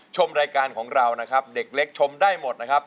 ชมรายการของเรานะครับเด็กเล็กชมได้หมดนะครับ